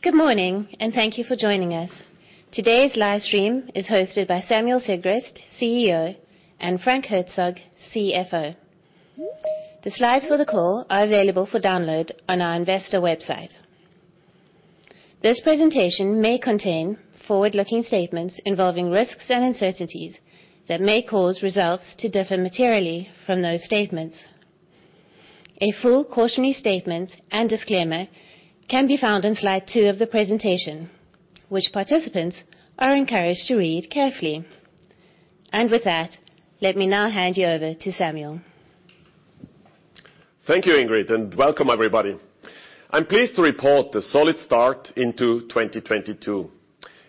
Good morning, and thank you for joining us. Today's live stream is hosted by Samuel Sigrist, CEO, and Frank Herzog, CFO. The slides for the call are available for download on our investor website. This presentation may contain forward-looking statements involving risks and uncertainties that may cause results to differ materially from those statements. A full cautionary statement and disclaimer can be found on slide two of the presentation, which participants are encouraged to read carefully. With that, let me now hand you over to Samuel. Thank you, Ingrid, and welcome everybody. I'm pleased to report the solid start into 2022.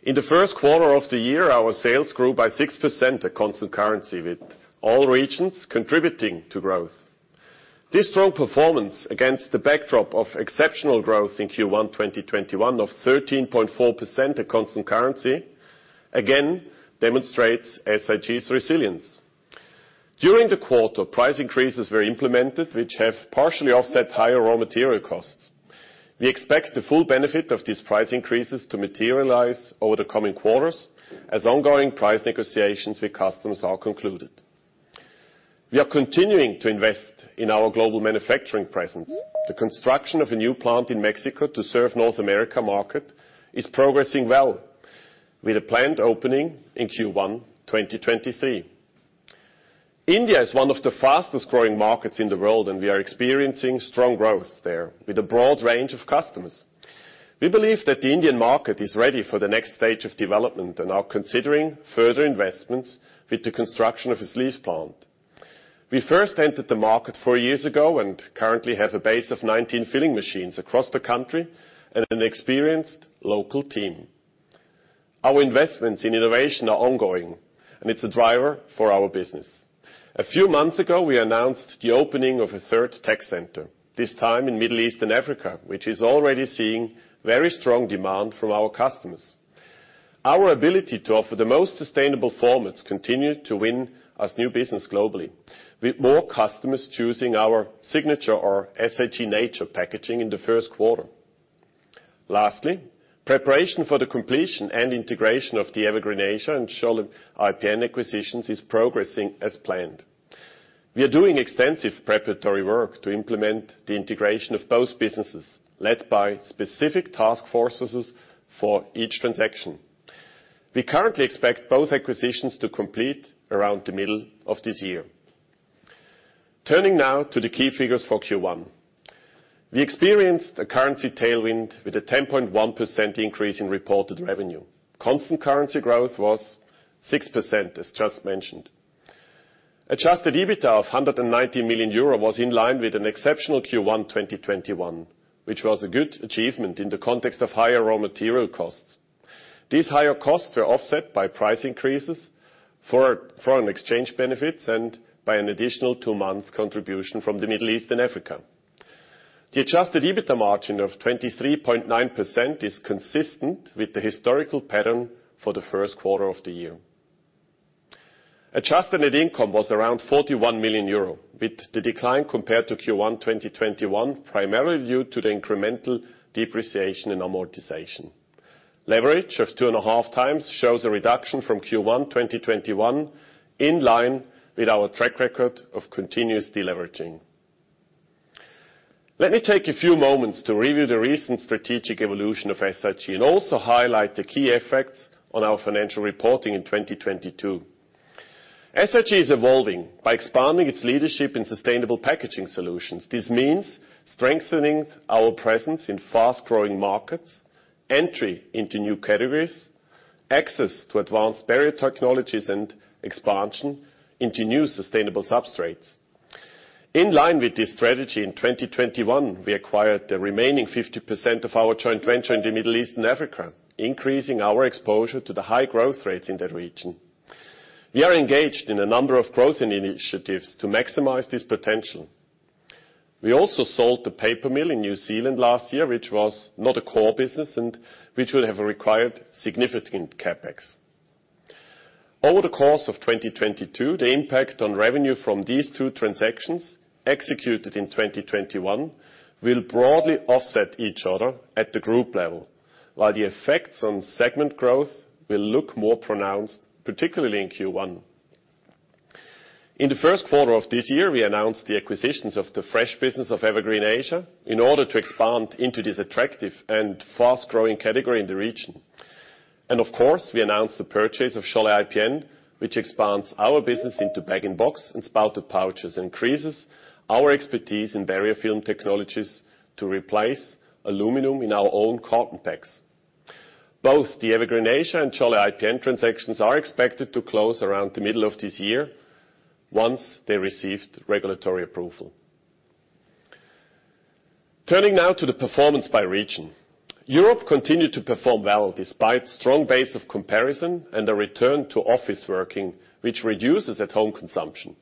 In the first quarter of the year, our sales grew by 6% at constant currency, with all regions contributing to growth. This strong performance against the backdrop of exceptional growth in Q1 2021 of 13.4% at constant currency, again demonstrates SIG's resilience. During the quarter, price increases were implemented, which have partially offset higher raw material costs. We expect the full benefit of these price increases to materialize over the coming quarters as ongoing price negotiations with customers are concluded. We are continuing to invest in our global manufacturing presence. The construction of a new plant in Mexico to serve North America market is progressing well with a plant opening in Q1 2023. India is one of the fastest-growing markets in the world, and we are experiencing strong growth there with a broad range of customers. We believe that the Indian market is ready for the next stage of development and are considering further investments with the construction of a leased plant. We first entered the market four years ago and currently have a base of 19 filling machines across the country and an experienced local team. Our investments in innovation are ongoing, and it's a driver for our business. A few months ago, we announced the opening of a third tech center, this time in Middle East and Africa, which is already seeing very strong demand from our customers. Our ability to offer the most sustainable formats continue to win us new business globally, with more customers choosing our SIGNATURE PACK or SIG Nature Packaging in the first quarter. Lastly, preparation for the completion and integration of the Evergreen Asia and Scholle IPN acquisitions is progressing as planned. We are doing extensive preparatory work to implement the integration of both businesses, led by specific task forces for each transaction. We currently expect both acquisitions to complete around the middle of this year. Turning now to the key figures for Q1. We experienced a currency tailwind with a 10.1% increase in reported revenue. Constant currency growth was 6%, as just mentioned. Adjusted EBITDA of 190 million euro was in line with an exceptional Q1 2021, which was a good achievement in the context of higher raw material costs. These higher costs were offset by price increases, foreign exchange benefits and by an additional two-month contribution from the Middle East and Africa. The adjusted EBITDA margin of 23.9% is consistent with the historical pattern for the first quarter of the year. Adjusted net income was around 41 million euro, with the decline compared to Q1 2021, primarily due to the incremental depreciation and amortization. Leverage of 2.5x shows a reduction from Q1 2021 in line with our track record of continuous deleveraging. Let me take a few moments to review the recent strategic evolution of SIG and also highlight the key effects on our financial reporting in 2022. SIG is evolving by expanding its leadership in sustainable packaging solutions. This means strengthening our presence in fast-growing markets, entry into new categories, access to advanced barrier technologies, and expansion into new sustainable substrates. In line with this strategy in 2021, we acquired the remaining 50% of our joint venture in the Middle East and Africa, increasing our exposure to the high growth rates in that region. We are engaged in a number of growth initiatives to maximize this potential. We also sold the paper mill in New Zealand last year, which was not a core business and which would have required significant CapEx. Over the course of 2022, the impact on revenue from these two transactions executed in 2021 will broadly offset each other at the group level, while the effects on segment growth will look more pronounced, particularly in Q1. In the first quarter of this year, we announced the acquisitions of the fresh business of Evergreen Asia in order to expand into this attractive and fast-growing category in the region. Of course, we announced the purchase of Scholle IPN, which expands our business into bag and box and spouted pouches, increases our expertise in barrier film technologies to replace aluminum in our own carton packs. Both the Evergreen Asia and Scholle IPN transactions are expected to close around the middle of this year once they received regulatory approval. Turning now to the performance by region. Europe continued to perform well despite strong base of comparison and a return to office working, which reduces at-home consumption.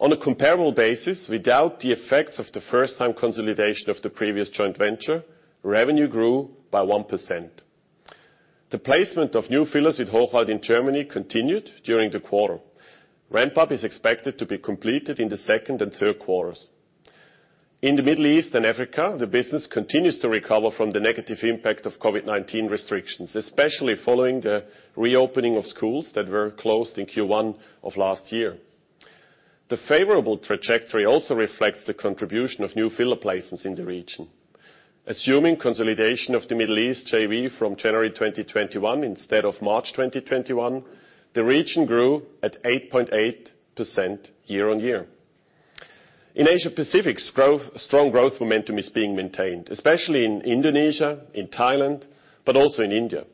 On a comparable basis, without the effects of the first-time consolidation of the previous joint venture, revenue grew by 1%. The placement of new fillers with Hochwald in Germany continued during the quarter. Ramp-up is expected to be completed in the second and third quarters. In the Middle East and Africa, the business continues to recover from the negative impact of COVID-19 restrictions, especially following the reopening of schools that were closed in Q1 of last year. The favorable trajectory also reflects the contribution of new filler placements in the region. Assuming consolidation of the Middle East JV from January 2021 instead of March 2021, the region grew at 8.8% year-on-year. In Asia Pacific, growth, strong growth momentum is being maintained, especially in Indonesia, in Thailand, but also in India.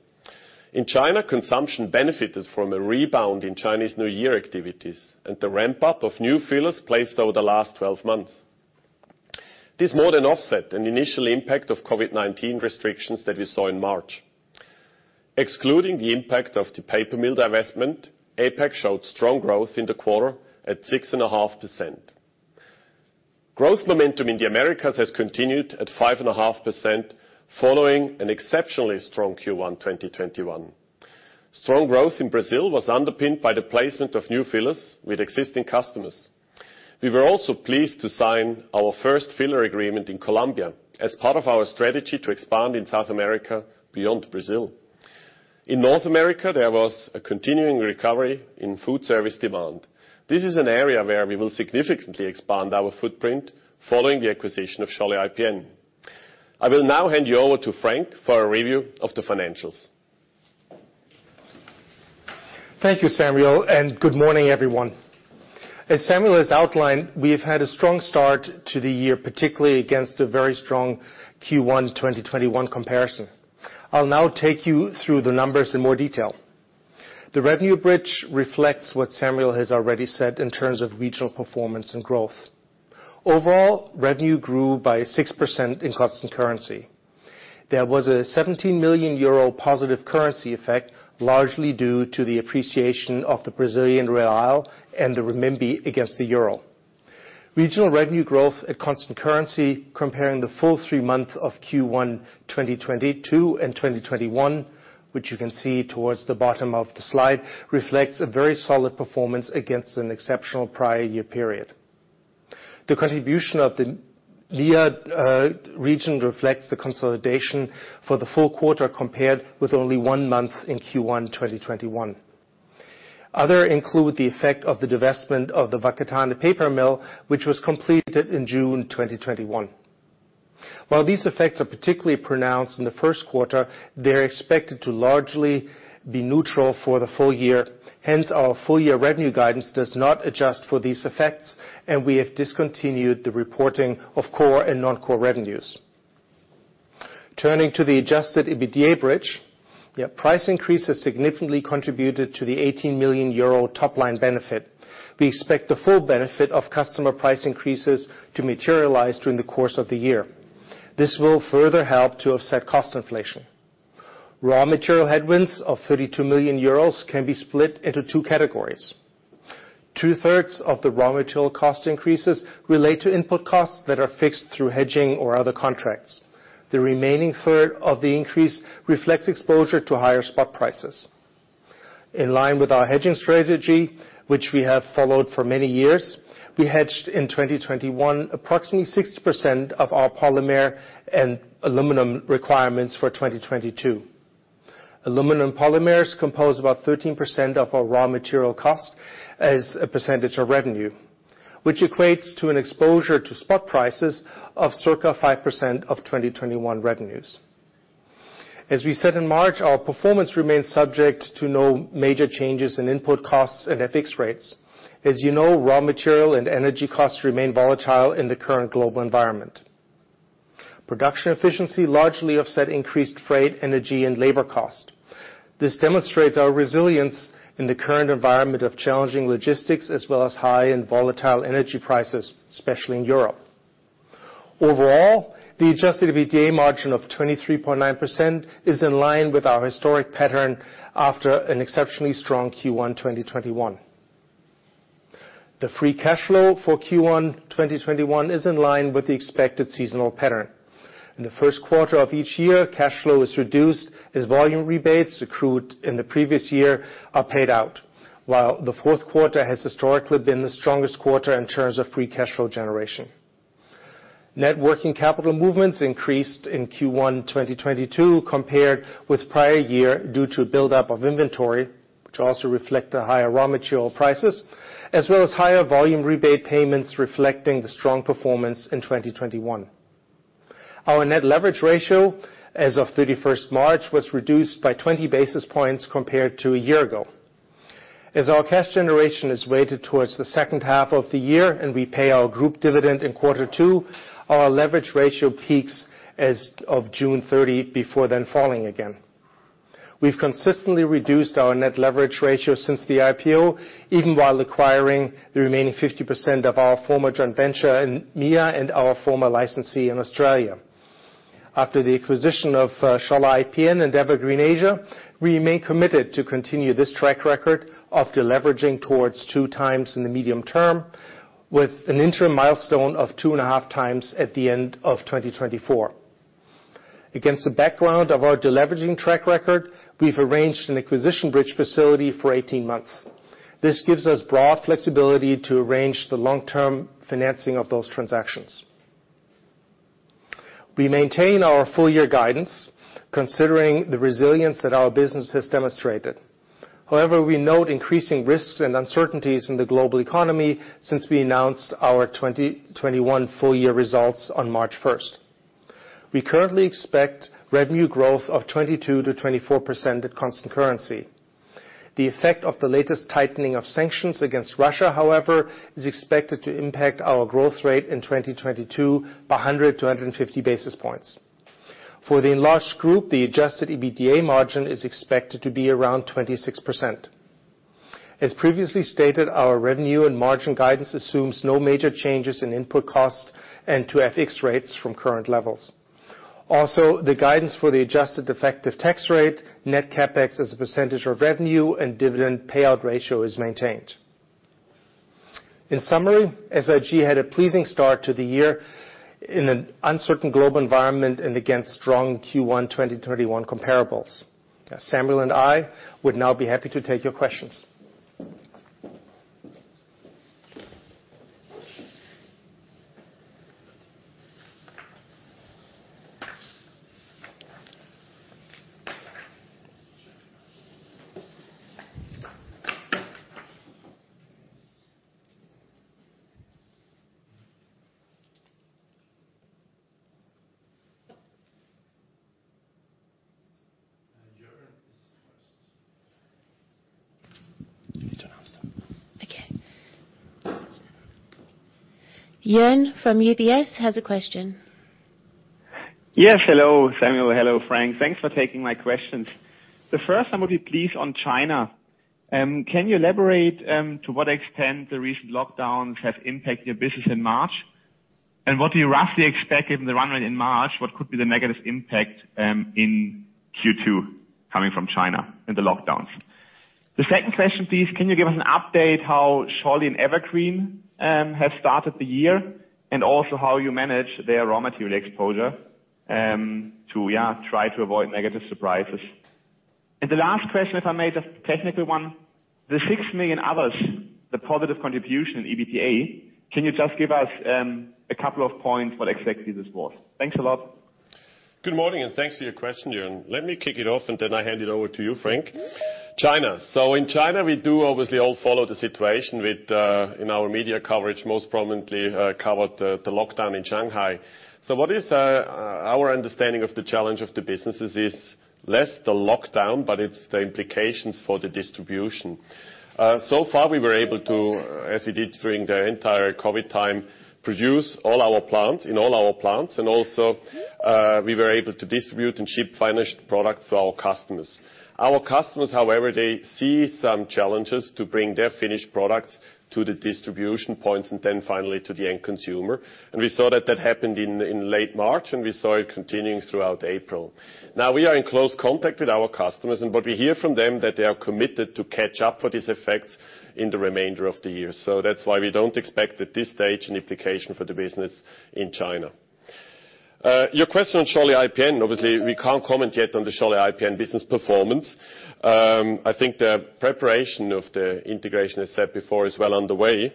In China, consumption benefited from a rebound in Chinese New Year activities and the ramp-up of new fillers placed over the last 12 months. This more than offset an initial impact of COVID-19 restrictions that we saw in March. Excluding the impact of the paper mill divestment, APAC showed strong growth in the quarter at 6.5%. Growth momentum in the Americas has continued at 5.5% following an exceptionally strong Q1 2021. Strong growth in Brazil was underpinned by the placement of new fillers with existing customers. We were also pleased to sign our first filler agreement in Colombia as part of our strategy to expand in South America beyond Brazil. In North America, there was a continuing recovery in food service demand. This is an area where we will significantly expand our footprint following the acquisition of Scholle IPN. I will now hand you over to Frank for a review of the financials. Thank you, Samuel, and good morning, everyone. As Samuel has outlined, we have had a strong start to the year, particularly against a very strong Q1 2021 comparison. I'll now take you through the numbers in more detail. The revenue bridge reflects what Samuel has already said in terms of regional performance and growth. Overall, revenue grew by 6% in constant currency. There was a 17 million euro positive currency effect, largely due to the appreciation of the Brazilian real and the renminbi against the euro. Regional revenue growth at constant currency comparing the full three months of Q1 2022 and 2021, which you can see towards the bottom of the slide, reflects a very solid performance against an exceptional prior year period. The contribution of the MEA region reflects the consolidation for the full quarter compared with only one month in Q1 2021. Others include the effect of the divestment of the Whakatāne paper mill, which was completed in June 2021. While these effects are particularly pronounced in the first quarter, they're expected to largely be neutral for the full year. Hence, our full-year revenue guidance does not adjust for these effects, and we have discontinued the reporting of core and non-core revenues. Turning to the adjusted EBITDA bridge, yeah, price increases significantly contributed to the 18 million euro top-line benefit. We expect the full benefit of customer price increases to materialize during the course of the year. This will further help to offset cost inflation. Raw material headwinds of 32 million euros can be split into two categories. 2/3 of the raw material cost increases relate to input costs that are fixed through hedging or other contracts. The remaining third of the increase reflects exposure to higher spot prices. In line with our hedging strategy, which we have followed for many years, we hedged in 2021 approximately 60% of our polymer and aluminum requirements for 2022. Aluminum polymers compose about 13% of our raw material cost as a percentage of revenue, which equates to an exposure to spot prices of circa 5% of 2021 revenues. As we said in March, our performance remains subject to no major changes in input costs and FX rates. As you know, raw material and energy costs remain volatile in the current global environment. Production efficiency largely offset increased freight, energy, and labor cost. This demonstrates our resilience in the current environment of challenging logistics as well as high and volatile energy prices, especially in Europe. Overall, the adjusted EBITDA margin of 23.9% is in line with our historic pattern after an exceptionally strong Q1 2021. The free cash flow for Q1 2021 is in line with the expected seasonal pattern. In the first quarter of each year, cash flow is reduced as volume rebates accrued in the previous year are paid out, while the fourth quarter has historically been the strongest quarter in terms of free cash flow generation. Net working capital movements increased in Q1 2022 compared with prior year due to buildup of inventory, which also reflect the higher raw material prices, as well as higher volume rebate payments reflecting the strong performance in 2021. Our net leverage ratio as of 31st March was reduced by 20 basis points compared to a year ago. As our cash generation is weighted towards the second half of the year, and we pay our group dividend in quarter two, our leverage ratio peaks as of June 30 before then falling again. We've consistently reduced our net leverage ratio since the IPO, even while acquiring the remaining 50% of our former joint venture in MEA and our former licensee in Australia. After the acquisition of Scholle IPN and Evergreen Asia, we remain committed to continue this track record of deleveraging towards 2x in the medium term, with an interim milestone of 2.5x at the end of 2024. Against the background of our deleveraging track record, we've arranged an acquisition bridge facility for 18 months. This gives us broad flexibility to arrange the long-term financing of those transactions. We maintain our full-year guidance considering the resilience that our business has demonstrated. However, we note increasing risks and uncertainties in the global economy since we announced our 2021 full-year results on March 1st. We currently expect revenue growth of 22%-24% at constant currency. The effect of the latest tightening of sanctions against Russia, however, is expected to impact our growth rate in 2022 by 100-150 basis points. For the enlarged group, the adjusted EBITDA margin is expected to be around 26%. As previously stated, our revenue and margin guidance assumes no major changes in input costs and FX rates from current levels. Also, the guidance for the adjusted effective tax rate, net CapEx as a percentage of revenue and dividend payout ratio is maintained. In summary, SIG had a pleasing start to the year in an uncertain global environment and against strong Q1 2021 comparables. Samuel and I would now be happy to take your questions. Joern is first. You need to announce them. Okay. Joern from UBS has a question. Yes. Hello, Samuel. Hello, Frank. Thanks for taking my questions. The first question, please, on China. Can you elaborate to what extent the recent lockdowns have impacted your business in March? And what do you roughly expect in the run rate in March? What could be the negative impact in Q2 coming from China in the lockdowns? The second question, please. Can you give us an update how Scholle and Evergreen have started the year, and also how you manage their raw material exposure to try to avoid negative surprises? And the last question, if I may, the technical one. The 6 million others, the positive contribution in EBITDA, can you just give us a couple of points what exactly this was? Thanks a lot. Good morning, and thanks for your question, Joern. Let me kick it off, and then I hand it over to you, Frank. China. In China, we do obviously all follow the situation with in our media coverage, most prominently, covered the lockdown in Shanghai. What is our understanding of the challenge of the businesses is less the lockdown, but it's the implications for the distribution. So far, we were able to, as we did during the entire COVID time, produce in all our plants, and also we were able to distribute and ship finished products to our customers. Our customers, however, they see some challenges to bring their finished products to the distribution points and then finally to the end consumer. We saw that happened in late March, and we saw it continuing throughout April. Now, we are in close contact with our customers, and what we hear from them that they are committed to catch up for these effects in the remainder of the year. That's why we don't expect at this stage an implication for the business in China. Your question on Scholle IPN. Obviously, we can't comment yet on the Scholle IPN business performance. I think the preparation of the integration, as said before, is well underway,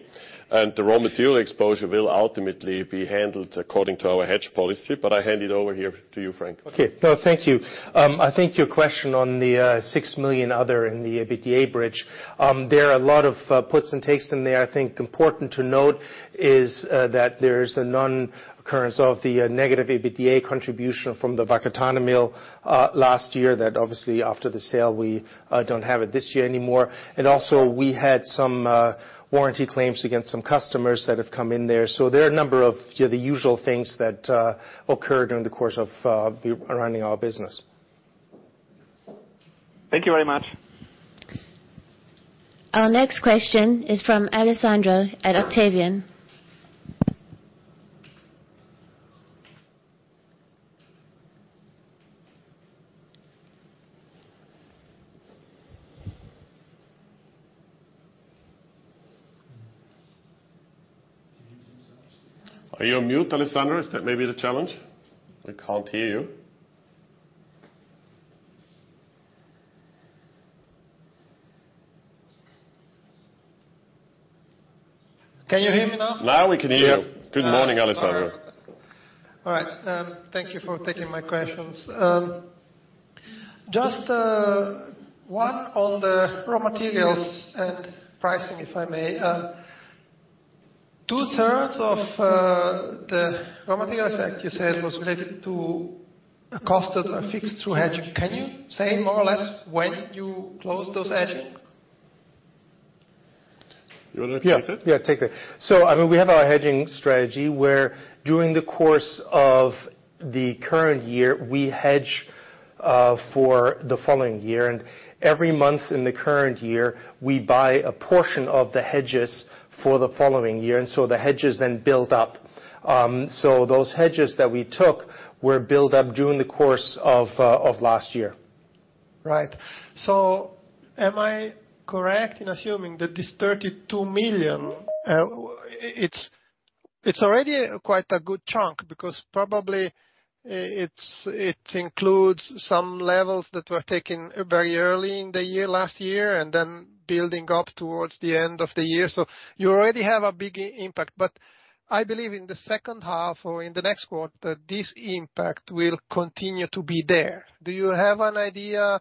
and the raw material exposure will ultimately be handled according to our hedge policy. I hand it over here to you, Frank. Okay. No, thank you. I think your question on the 6 million other in the EBITDA bridge. There are a lot of puts and takes in there. I think it's important to note that there is a non-occurrence of the negative EBITDA contribution from the Whakatāne mill last year that obviously after the sale we don't have it this year anymore. We had some warranty claims against some customers that have come in there. There are a number of you know the usual things that occur during the course of running our business. Thank you very much. Our next question is from Alessandro at Octavian. Are you on mute, Alessandro? Is that maybe the challenge? We can't hear you. Can you hear me now? Now we can hear you. Yeah. Good morning, Alessandro. All right. Thank you for taking my questions. Just one on the raw materials and pricing, if I may. 2/3 of the raw material effect you said was related to a cost that are fixed through hedging. Can you say more or less when you closed those hedging? You wanna take it? Yeah. Yeah, I'll take it. I mean, we have our hedging strategy where during the course of the current year, we hedge for the following year. Every month in the current year, we buy a portion of the hedges for the following year, and the hedges then build up. Those hedges that we took were built up during the course of last year. Right. Am I correct in assuming that this 32 million, it's already quite a good chunk because probably it's, it includes some levels that were taken very early in the year last year and then building up towards the end of the year. You already have a big impact. I believe in the second half or in the next quarter, this impact will continue to be there. Do you have an idea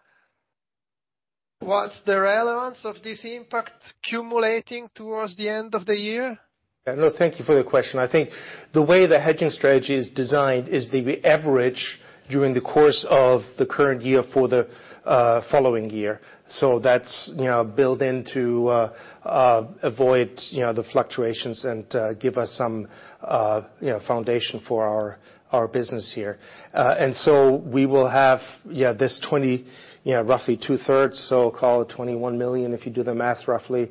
what's the relevance of this impact accumulating towards the end of the year? No, thank you for the question. I think the way the hedging strategy is designed is that we average during the course of the current year for the following year. That's, you know, built in to avoid, you know, the fluctuations and give us some, you know, foundation for our business here. We will have, yeah, this 20, you know, roughly 2/3, so call it 21 million, if you do the math, roughly.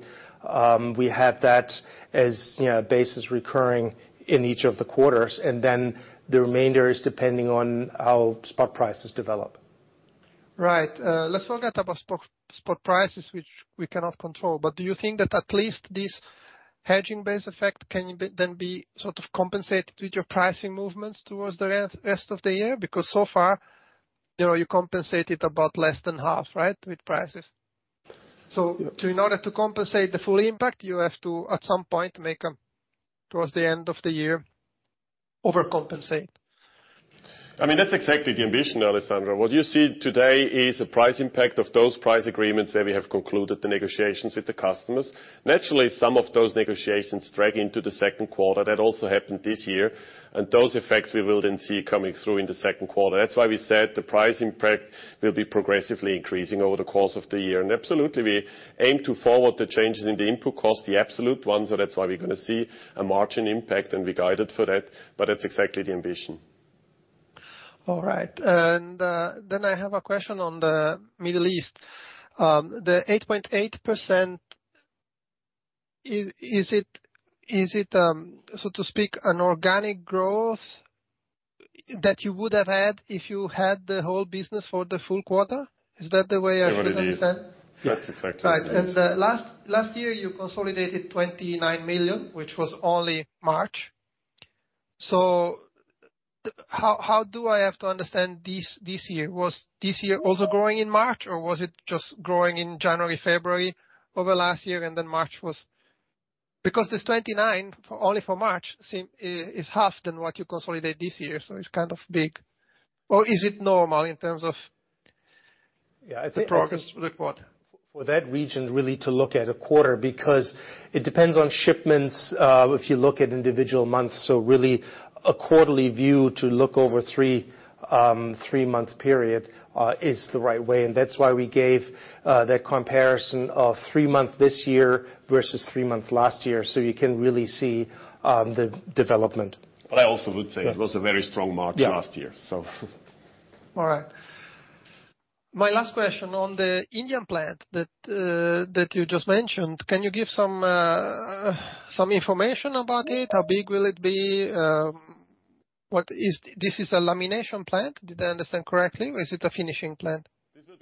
We have that as, you know, a base is recurring in each of the quarters, and then the remainder is depending on how spot prices develop. Right. Let's forget about spot prices, which we cannot control. Do you think that at least this hedging base effect can then be sort of compensated with your pricing movements towards the rest of the year? Because so far, you know, you compensated about less than half, right, with prices. Yeah. in order to compensate the full impact, you have to, at some point, towards the end of the year overcompensate. I mean, that's exactly the ambition, Alessandro. What you see today is a price impact of those price agreements where we have concluded the negotiations with the customers. Naturally, some of those negotiations drag into the second quarter. That also happened this year. Those effects we will then see coming through in the second quarter. That's why we said the price impact will be progressively increasing over the course of the year. Absolutely, we aim to forward the changes in the input cost, the absolute ones, so that's why we're gonna see a margin impact, and we guided for that, but that's exactly the ambition. All right. I have a question on the Middle East. The 8.8%, is it so to speak, an organic growth that you would have had if you had the whole business for the full quarter? Is that the way I should understand? That's exactly it, yes. Right. Last year you consolidated 29 million, which was only March. How do I have to understand this year? Was this year also growing in March or was it just growing in January, February over last year and then March was. Because this 29 million only for March is half of what you consolidate this year, so it's kind of big. Is it normal in terms of Yeah, I think. The progress for the quarter? For that region really to look at a quarter because it depends on shipments, if you look at individual months. Really a quarterly view to look over three months period is the right way, and that's why we gave that comparison of three-month this year versus three-month last year, so you can really see the development. I also would say it was a very strong March. Yeah Last year, so. All right. My last question on the Indian plant that you just mentioned, can you give some information about it? How big will it be? This is a lamination plant. Did I understand correctly, or is it a finishing plant?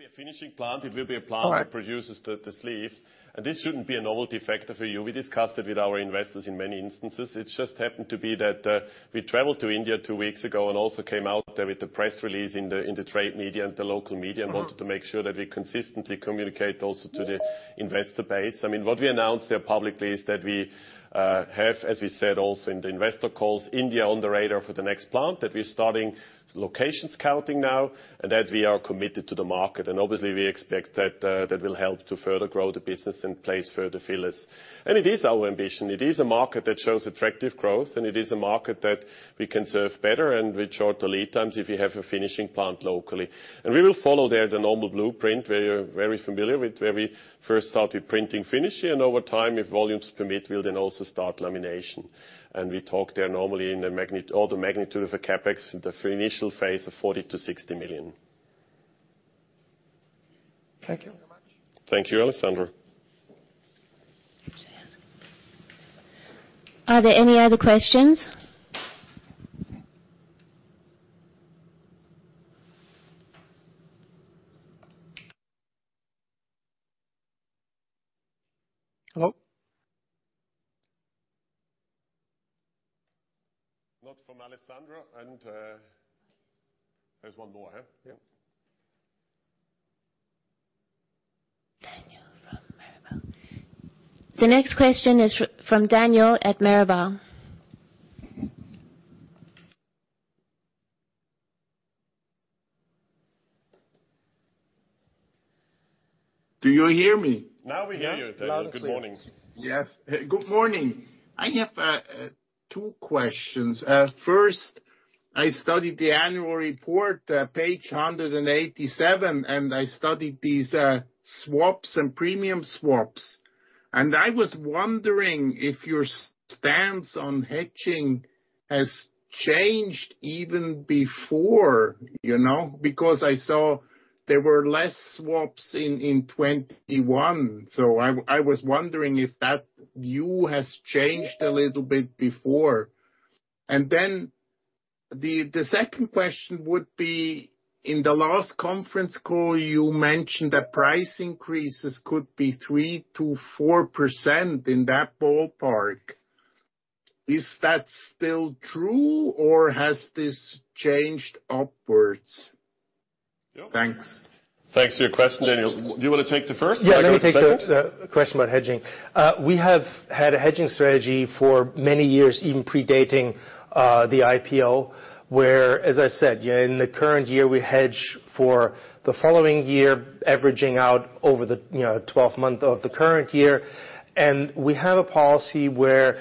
This will be a finishing plant. All right. that produces the sleeves. This shouldn't be a novelty effect for you. We discussed it with our investors in many instances. It just happened to be that we traveled to India two weeks ago and also came out with the press release in the trade media and the local media. Mm-hmm wanted to make sure that we consistently communicate also to the investor base. I mean, what we announced there publicly is that we have, as we said also in the investor calls, India on the radar for the next plant, that we're starting location scouting now, and that we are committed to the market. Obviously we expect that that will help to further grow the business and place further fillers. It is our ambition. It is a market that shows attractive growth, and it is a market that we can serve better and with shorter lead times if we have a finishing plant locally. We will follow there the normal blueprint, where you're very familiar with where we first started printing finish, and over time, if volumes permit, we'll then also start lamination. We talked there normally in the magnitude of a CapEx, the initial phase of 40 million-60 million. Thank you very much. Thank you, Alessandro. Are there any other questions? Hello? Not from Alessandro and, there's one more here. Yeah. Daniel from Mirabaud. The next question is from Daniel at Mirabaud. Do you hear me? Now we hear you, Daniel. Good morning. Yes. Good morning. I have two questions. First, I studied the annual report, page 187, and I studied these swaps and premium swaps. I was wondering if your stance on hedging has changed even before, you know. Because I saw there were less swaps in 2021. I was wondering if that view has changed a little bit before. The second question would be, in the last conference call, you mentioned that price increases could be 3%-4% in that ballpark. Is that still true, or has this changed upwards? Yep. Thanks. Thanks for your question, Daniel. Do you wanna take the first and I take the second? Yeah, let me take the question about hedging. We have had a hedging strategy for many years, even predating the IPO, where, as I said, you know, in the current year, we hedge for the following year, averaging out over the, you know, 12-month of the current year. We have a policy where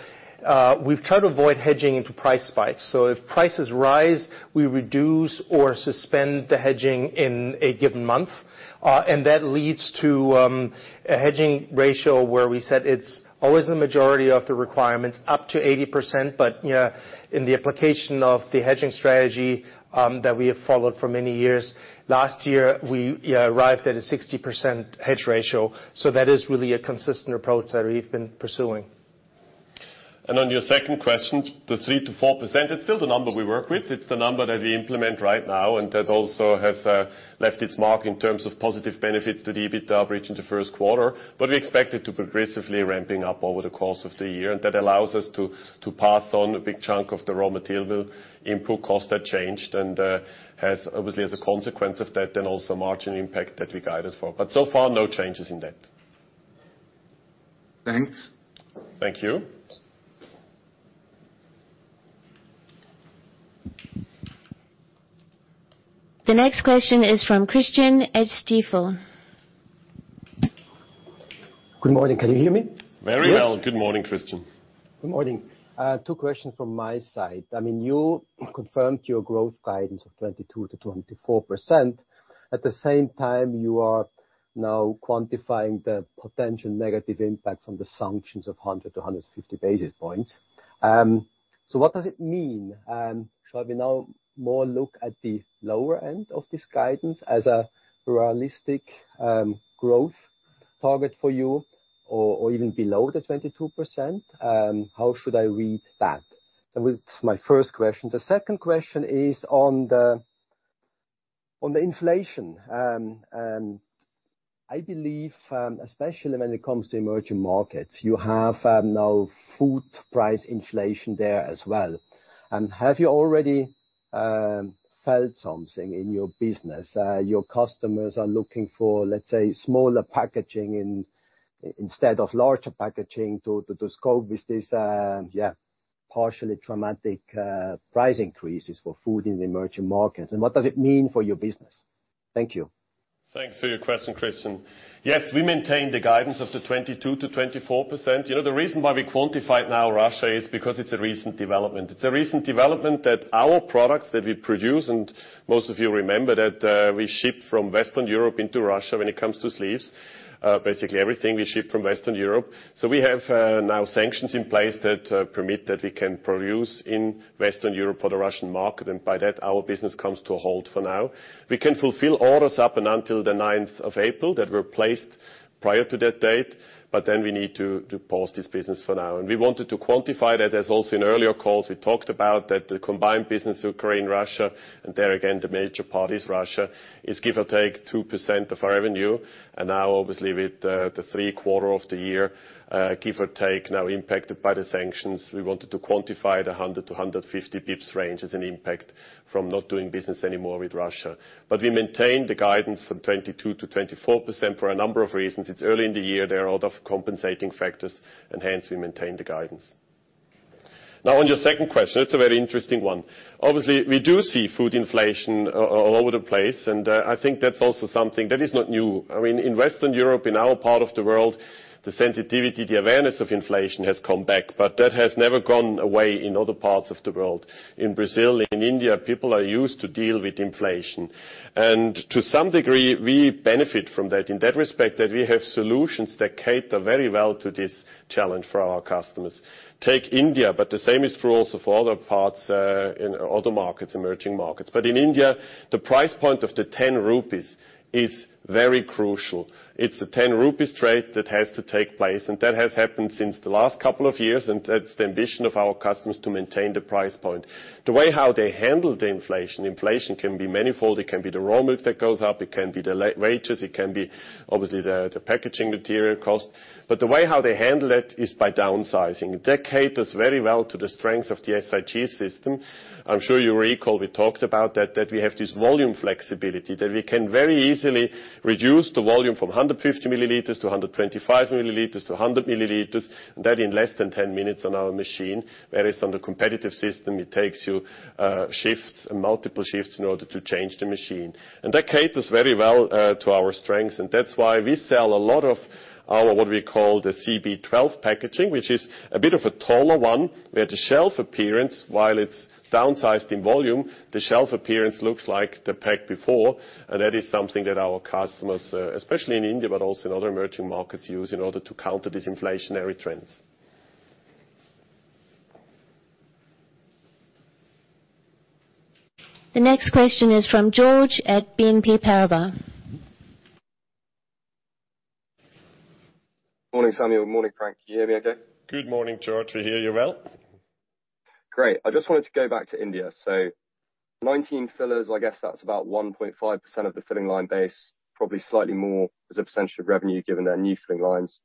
we've tried to avoid hedging into price spikes. If prices rise, we reduce or suspend the hedging in a given month. That leads to a hedging ratio where we said it's always the majority of the requirements up to 80%. You know, in the application of the hedging strategy that we have followed for many years, last year we arrived at a 60% hedge ratio. That is really a consistent approach that we've been pursuing. On your second question, the 3%-4%, it's still the number we work with. It's the number that we implement right now, and that also has left its mark in terms of positive benefits to the EBITDA bridge in the first quarter. We expect it to progressively ramping up over the course of the year. That allows us to pass on a big chunk of the raw material input cost that changed and has obviously, as a consequence of that, then also margin impact that we guided for. So far, no changes in that. Thanks. Thank you. The next question is from Christian at Stifel. Good morning. Can you hear me? Very well. Good morning, Christian. Good morning. Two questions from my side. I mean, you confirmed your growth guidance of 22%-24%. At the same time, you are now quantifying the potential negative impact from the sanctions of 100-150 basis points. So what does it mean? Shall we now more look at the lower end of this guidance as a realistic growth target for you or even below the 22%? How should I read that? That's my first question. The second question is on the inflation. I believe, especially when it comes to emerging markets, you have now food price inflation there as well. Have you already felt something in your business? Your customers are looking for, let's say, smaller packaging instead of larger packaging to cope with this partially dramatic price increases for food in the emerging markets. What does it mean for your business? Thank you. Thanks for your question, Christian. Yes, we maintain the guidance of the 22%-24%. You know, the reason why we quantified now Russia is because it's a recent development. It's a recent development that our products that we produce, and most of you remember that, we ship from Western Europe into Russia when it comes to sleeves. Basically everything, we ship from Western Europe. We have now sanctions in place that permit that we can produce in Western Europe for the Russian market. By that, our business comes to a halt for now. We can fulfill orders up and until the ninth of April that were placed prior to that date, but then we need to pause this business for now. We wanted to quantify that. As also in earlier calls, we talked about that the combined business of Ukraine, Russia, and there again, the major part is Russia, is give or take 2% of our revenue. Now, obviously, with the three quarters of the year, give or take now impacted by the sanctions, we wanted to quantify the 100-150 basis points range as an impact from not doing business anymore with Russia. We maintained the guidance from 22%-24% for a number of reasons. It's early in the year. There are a lot of compensating factors and hence we maintain the guidance. Now on your second question, it's a very interesting one. Obviously, we do see food inflation all over the place, and I think that's also something that is not new. I mean, in Western Europe, in our part of the world, the sensitivity, the awareness of inflation has come back, but that has never gone away in other parts of the world. In Brazil, in India, people are used to deal with inflation. To some degree, we benefit from that. In that respect, that we have solutions that cater very well to this challenge for our customers. Take India, but the same is true also for other parts in other markets, emerging markets. In India, the price point of the 10 rupees is very crucial. It's the 10 rupees trade that has to take place, and that has happened since the last couple of years, and that's the ambition of our customers to maintain the price point. The way how they handle the inflation can be manifold. It can be the raw milk that goes up, it can be the labor wages, it can be, obviously, the packaging material cost. The way how they handle it is by downsizing. That caters very well to the strength of the SIG system. I'm sure you recall we talked about that we have this volume flexibility, that we can very easily reduce the volume from 150 milliliters to 125 milliliters to 100 milliliters, and that in less than 10 minutes on our machine. Whereas on the competitive system, it takes you shifts and multiple shifts in order to change the machine. That caters very well to our strengths, and that's why we sell a lot of our what we call the cb12 packaging, which is a bit of a taller one, where the shelf appearance, while it's downsized in volume, the shelf appearance looks like the pack before. That is something that our customers, especially in India, but also in other emerging markets, use in order to counter these inflationary trends. The next question is from George at BNP Paribas. Morning, Samuel. Morning, Frank. Can you hear me okay? Good morning, George. We hear you well. Great. I just wanted to go back to India. Nineteen fillers, I guess that's about 1.5% of the filling line base, probably slightly more as a percentage of revenue given their new filling lines.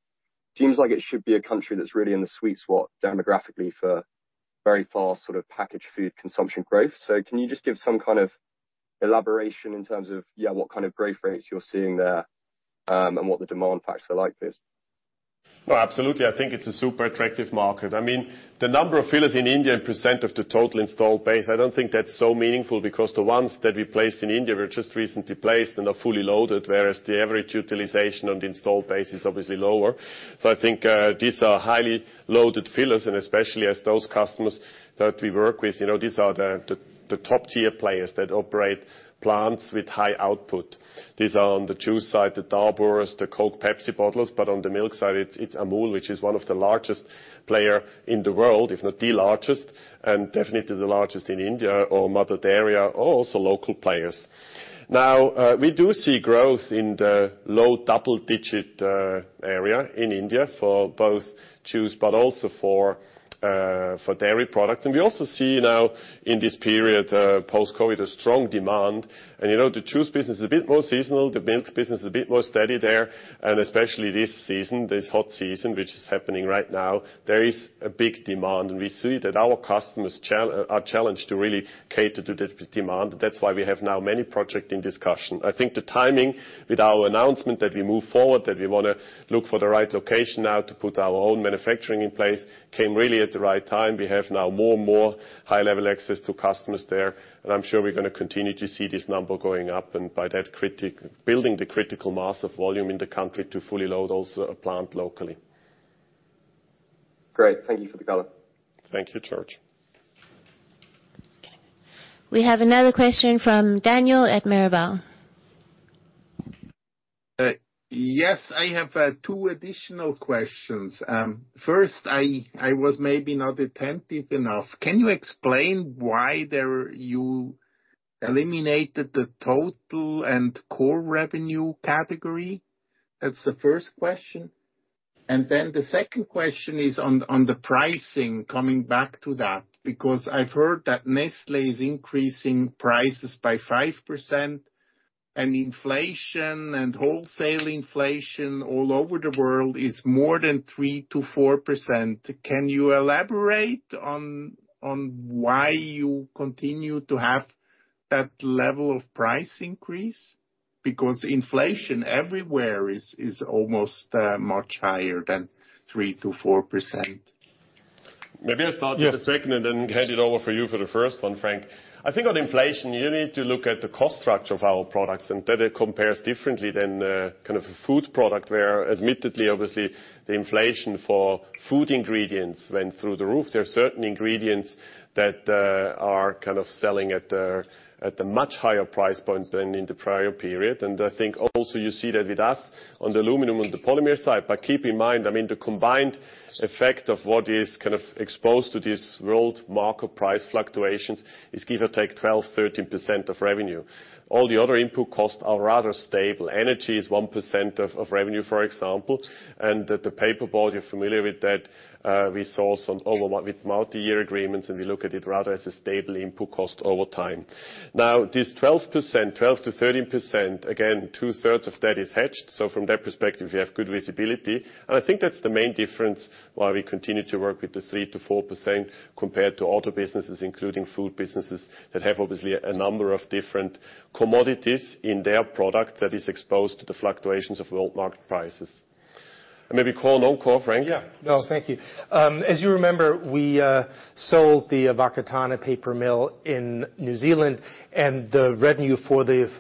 Seems like it should be a country that's really in the sweet spot demographically for very fast sort of packaged food consumption growth. Can you just give some kind of elaboration in terms of, yeah, what kind of growth rates you're seeing there, and what the demand patterns are like there? No, absolutely. I think it's a super attractive market. I mean, the number of fillers in India in percent of the total installed base, I don't think that's so meaningful because the ones that we placed in India were just recently placed and are fully loaded, whereas the average utilization on the installed base is obviously lower. I think these are highly loaded fillers, and especially as those customers that we work with, you know, these are the top-tier players that operate plants with high output. These are on the juice side, the Dabur, the Coca-Cola, PepsiCo bottlers, but on the milk side it's Amul, which is one of the largest player in the world, if not the largest, and definitely the largest in India or Mother Dairy, or also local players. Now, we do see growth in the low double-digit area in India for both juice, but also for dairy products. We also see now in this period, post-COVID, a strong demand. You know, the juice business is a bit more seasonal, the milk business is a bit more steady there, and especially this season, this hot season, which is happening right now, there is a big demand. We see that our customers are challenged to really cater to this demand. That's why we have now many project in discussion. I think the timing with our announcement that we move forward, that we wanna look for the right location now to put our own manufacturing in place, came really at the right time. We have now more and more high-level access to customers there, and I'm sure we're gonna continue to see this number going up, and by that building the critical mass of volume in the country to fully load also a plant locally. Great. Thank you for the color. Thank you, George. We have another question from Daniel at Mirabaud. Yes, I have two additional questions. First, I was maybe not attentive enough. Can you explain why there you eliminated the total and core revenue category? That's the first question. The second question is on the pricing, coming back to that, because I've heard that Nestlé is increasing prices by 5% and inflation and wholesale inflation all over the world is more than 3%-4%. Can you elaborate on why you continue to have that level of price increase? Because inflation everywhere is almost much higher than 3%-4%. Maybe I'll start with the second and then hand it over for you for the first one, Frank. I think on inflation, you need to look at the cost structure of our products, and that it compares differently than the kind of a food product where admittedly, obviously, the inflation for food ingredients went through the roof. There are certain ingredients that are kind of selling at a much higher price point than in the prior period. I think also you see that with us on the aluminum and the polymer side. But keep in mind, I mean, the combined effect of what is kind of exposed to this world market price fluctuations is give or take 12%-13% of revenue. All the other input costs are rather stable. Energy is 1% of revenue, for example. The paperboard you're familiar with that we source it over with multi-year agreements, and we look at it rather as a stable input cost over time. Now, this 12%, 12%-13%, again, two-thirds of that is hedged. So from that perspective, we have good visibility. I think that's the main difference why we continue to work with the 3%-4% compared to other businesses, including food businesses, that have obviously a number of different commodities in their product that is exposed to the fluctuations of world market prices. Maybe call, no call, Frank? Yeah. No, thank you. As you remember, we sold the Whakatāne paper mill in New Zealand, and the revenue for the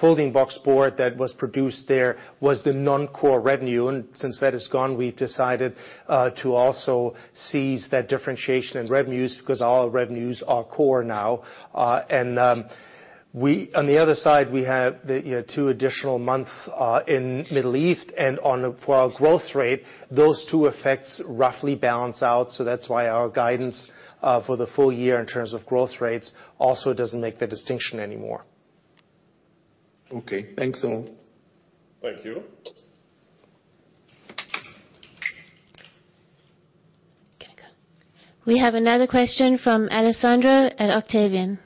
folding box board that was produced there was the non-core revenue. Since that is gone, we decided to also cease that differentiation in revenues, because all our revenues are core now. On the other side, we have the, you know, two additional months in Middle East. On a pro forma growth rate, those two effects roughly balance out, so that's why our guidance for the full year in terms of growth rates also doesn't make the distinction anymore. Okay. Thanks, all. Thank you. We have another question from Alessandro at Octavian.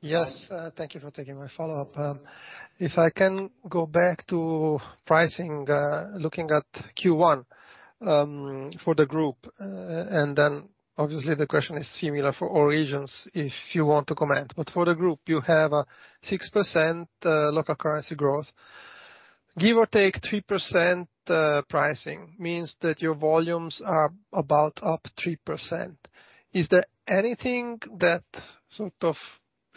Yes. Thank you for taking my follow-up. If I can go back to pricing, looking at Q1 for the group, and then obviously the question is similar for all regions, if you want to comment. For the group, you have a 6% local currency growth. Give or take 3% pricing means that your volumes are about up 3%. Is there anything that sort of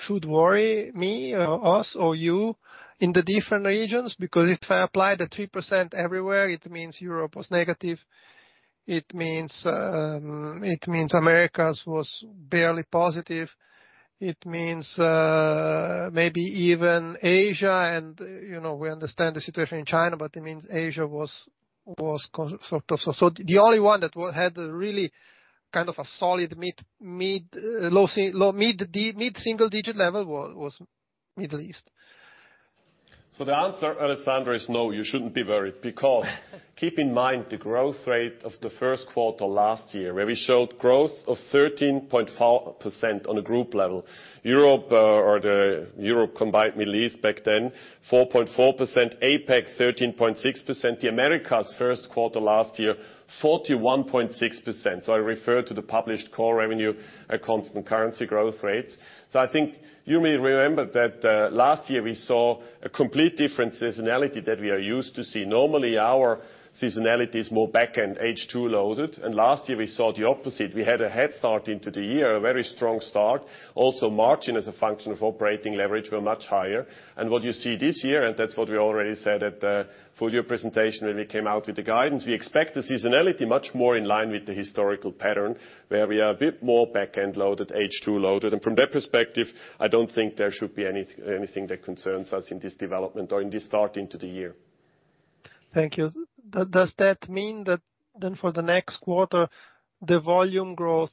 should worry me or us or you in the different regions? Because if I apply the 3% everywhere, it means Europe was negative. It means Americas was barely positive. It means maybe even Asia and, you know, we understand the situation in China, but it means Asia was sort of. The only one that had a really kind of a solid low mid-single digit level was Middle East. The answer, Alessandro, is no, you shouldn't be worried. Because keep in mind the growth rate of the first quarter last year, where we showed growth of 13.4% on a group level. Europe, or the Europe combined Middle East back then, 4.4%. APAC, 13.6%. The Americas first quarter last year, 41.6%. I refer to the published core revenue at constant currency growth rates. I think you may remember that, last year we saw a complete different seasonality that we are used to see. Normally, our seasonality is more back-end H2 loaded, and last year we saw the opposite. We had a head start into the year, a very strong start. Also, margin as a function of operating leverage were much higher. What you see this year, and that's what we already said at the full year presentation when we came out with the guidance, we expect the seasonality much more in line with the historical pattern, where we are a bit more back-end loaded, H2 loaded. From that perspective, I don't think there should be anything that concerns us in this development or in this start into the year. Thank you. Does that mean that then for the next quarter, the volume growth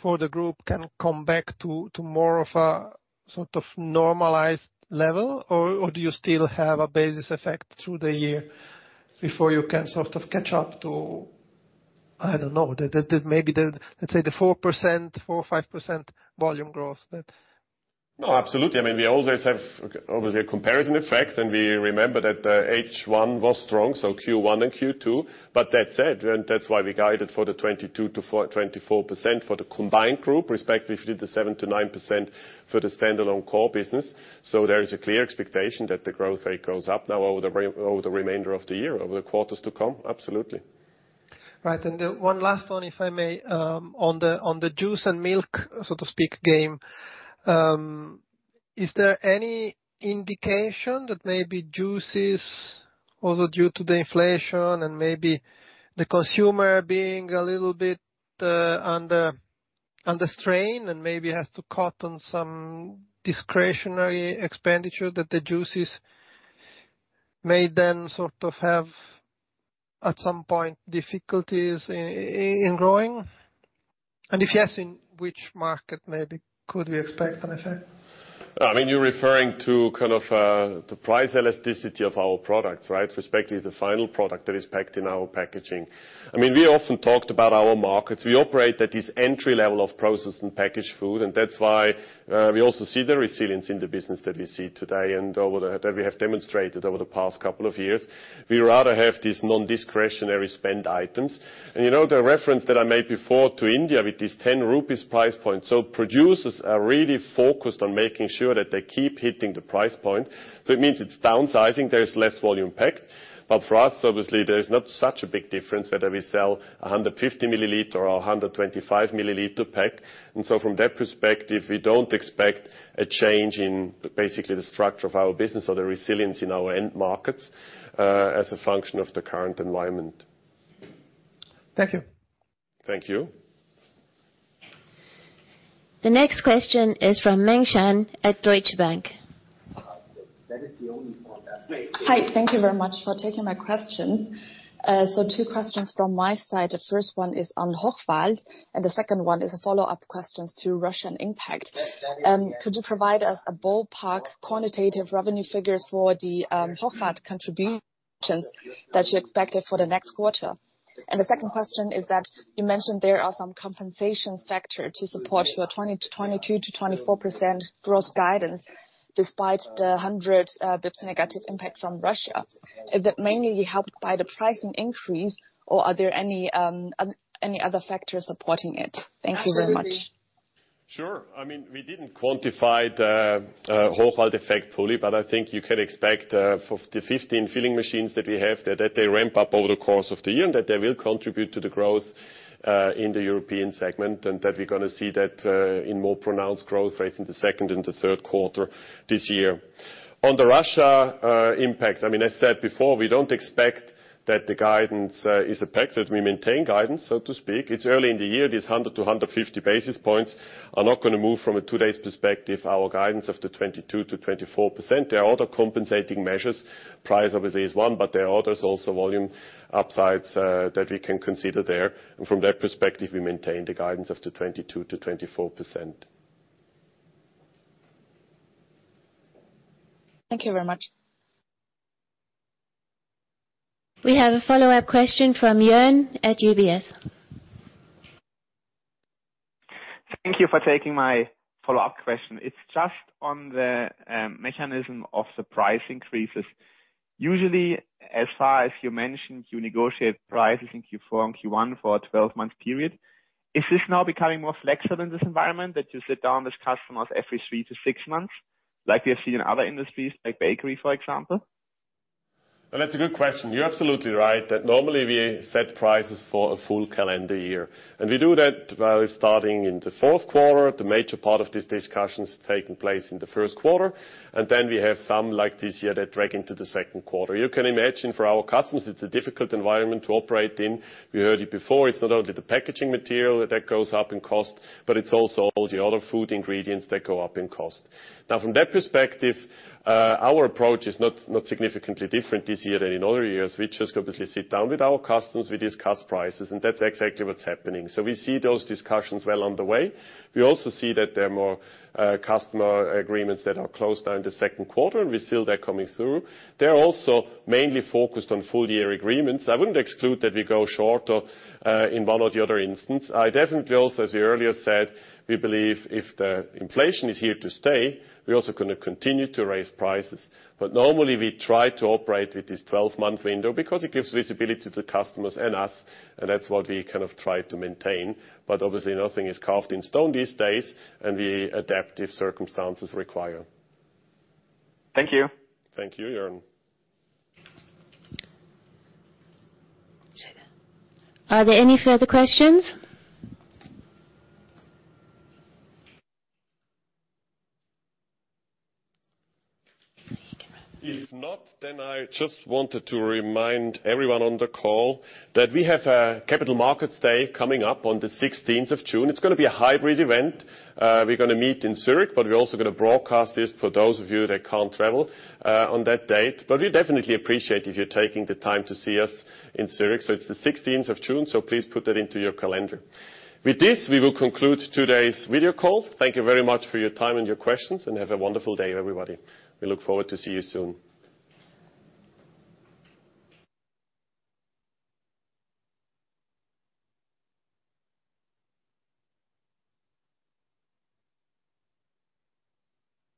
for the group can come back to more of a sort of normalized level? Or do you still have a basis effect through the year before you can sort of catch up to, I don't know, the, maybe the, let's say, the 4%, 4%-5% volume growth that- No, absolutely. I mean, we always have obviously a comparison effect, and we remember that, H1 was strong, so Q1 and Q2. That said, and that's why we guided for the 22%-24% for the combined group, respectively the 7%-9% for the standalone core business. There is a clear expectation that the growth rate goes up now over the remainder of the year, over the quarters to come. Absolutely. Right. The one last one, if I may, on the juice and milk, so to speak, game. Is there any indication that maybe juices, also due to the inflation and maybe the consumer being a little bit under strain and maybe has to cut on some discretionary expenditure, that the juices may then sort of have at some point difficulties in growing? If yes, in which market maybe could we expect an effect? I mean, you're referring to kind of, the price elasticity of our products, right? Respectively the final product that is packed in our packaging. I mean, we often talked about our markets. We operate at this entry level of processed and packaged food, and that's why, we also see the resilience in the business that we see today that we have demonstrated over the past couple of years. We rather have these non-discretionary spend items. You know, the reference that I made before to India with this 10 rupees price point. Producers are really focused on making sure that they keep hitting the price point. It means it's downsizing. There is less volume packed. For us, obviously, there is not such a big difference whether we sell a 150 milliliter or a 125 milliliter pack. From that perspective, we don't expect a change in basically the structure of our business or the resilience in our end markets, as a function of the current environment. Thank you. Thank you. The next question is from Mengshan at Deutsche Bank. Hi. Thank you very much for taking my questions. So two questions from my side. The first one is on Hochwald, and the second one is a follow-up questions to Russian impact. Could you provide us a ballpark quantitative revenue figures for the Hochwald contributions that you expected for the next quarter? The second question is that you mentioned there are some compensation factor to support your 20%-22%-24% growth guidance despite the 100 basis points negative impact from Russia. Is that mainly helped by the pricing increase or are there any other factors supporting it? Thank you very much. Sure. I mean, we didn't quantify the Hochwald effect fully, but I think you can expect for the 15 filling machines that we have there, that they ramp up over the course of the year, and that they will contribute to the growth in the European segment. We're gonna see that in more pronounced growth rates in the second and third quarter this year. On the Russia impact, I mean, as I said before, we don't expect that the guidance is impacted. We maintain guidance, so to speak. It's early in the year. This 100-150 basis points are not gonna move from today's perspective, our guidance of the 22%-24%. There are other compensating measures. Price obviously is one, but there are others also, volume upsides that we can consider there. From that perspective, we maintain the guidance of the 22%-24%. Thank you very much. We have a follow-up question from Joern at UBS. Thank you for taking my follow-up question. It's just on the mechanism of the price increases. Usually, as far as you mentioned, you negotiate prices in Q4 and Q1 for a 12-month period. Is this now becoming more flexible in this environment, that you sit down with customers every six months, like we have seen in other industries like bakery, for example? Well, that's a good question. You're absolutely right that normally we set prices for a full calendar year. We do that by starting in the fourth quarter. The major part of these discussions taking place in the first quarter, and then we have some, like this year, that drag into the second quarter. You can imagine for our customers, it's a difficult environment to operate in. We heard it before. It's not only the packaging material that goes up in cost, but it's also all the other food ingredients that go up in cost. Now from that perspective, our approach is not significantly different this year than in other years. We just obviously sit down with our customers, we discuss prices, and that's exactly what's happening. We see those discussions well on the way. We also see that there are more customer agreements that are closed down in the second quarter. We see that coming through. They're also mainly focused on full-year agreements. I wouldn't exclude that we go shorter in one or the other instance. I definitely also, as we earlier said, we believe if the inflation is here to stay, we're also gonna continue to raise prices. Normally we try to operate with this 12-month window because it gives visibility to the customers and us, and that's what we kind of try to maintain. Obviously nothing is carved in stone these days, and we adapt if circumstances require. Thank you. Thank you, Joern. Are there any further questions? If not, then I just wanted to remind everyone on the call that we have a Capital Markets Day coming up on the sixteenth of June. It's gonna be a hybrid event. We're gonna meet in Zurich, but we're also gonna broadcast this for those of you that can't travel, on that date. We definitely appreciate if you're taking the time to see us in Zurich. It's the 16th of June, so please put that into your calendar. With this, we will conclude today's video call. Thank you very much for your time and your questions, and have a wonderful day, everybody. We look forward to see you soon.